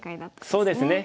そうですね。